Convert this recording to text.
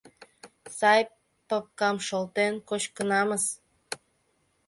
— Сай папкам шолтен кочкынамыс...